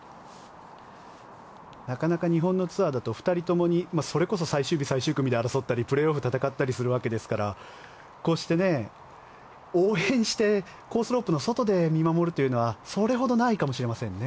なかなか日本のツアーだと２人ともにそれこそ最終日、最終組で争ったりプレーオフを戦ったりするわけですからこうして応援してコースロープの外で見守るというのはそれほどないかもしれませんね。